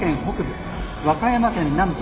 和歌山県南部